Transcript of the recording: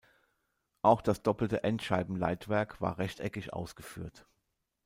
Auch das doppelte Endscheiben-Leitwerk war rechteckig ausgeführt.